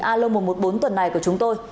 alo một trăm một mươi bốn tuần này của chúng tôi